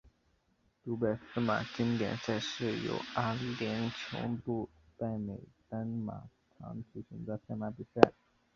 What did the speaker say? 杜拜司马经典赛是于阿联酋杜拜美丹马场举行的赛马比赛。